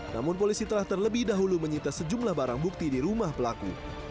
namun polisi telah terlebih dahulu menyita sejumlah barang bukti di rumah pelaku